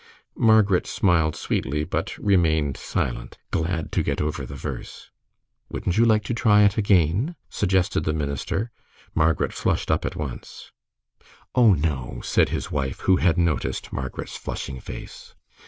Margaret smiled sweetly, but remained silent, glad to get over the verse. "Wouldn't you like to try it again?" suggested the minister. Margaret flushed up at once. "Oh, no," said his wife, who had noticed Margaret's flushing face.